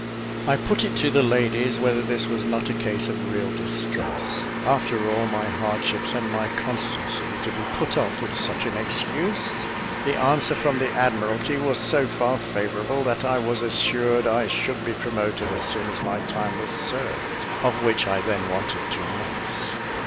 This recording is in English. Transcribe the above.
I put it to the ladies whether this was not a case of real distress, after all my hardships and my constancy, to be put off with such an excuse? The answer from the Admiralty was so far favourable, that I was assured I should be promoted as soon as my time was served, of which I then wanted two months.